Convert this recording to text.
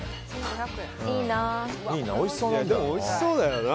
おいしそうだよな。